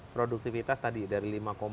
produktivitas tadi dari lima dua